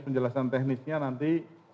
penjelasan teknisnya nanti